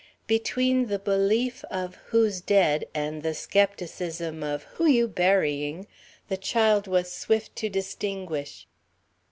Between the belief of "Who's dead?" and the skepticism of "Who you burying?" the child was swift to distinguish.